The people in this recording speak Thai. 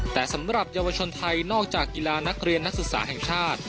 แต่สำหรับเยาวชนไทยนอกจากกีฬานักเรียนนักศึกษาแห่งชาติ